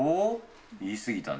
言い過ぎたね。